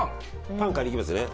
パン買いに行きますね。